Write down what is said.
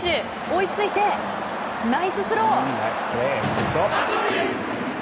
追いついて、ナイススロー！